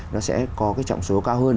nó sẽ có trọng số cao hơn